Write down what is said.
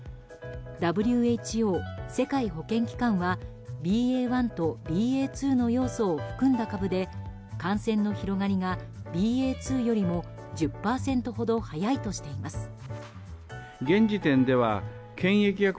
ＷＨＯ・世界保健機関はＢＡ．１とＢＡ．２の要素を含んだ株で感染の広がりがＢＡ．２よりも１０％ほど速いとしています。